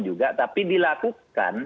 juga tapi dilakukan